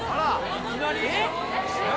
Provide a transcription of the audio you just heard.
いきなり？何？